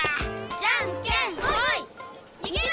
じゃんけんぽい！にげろ！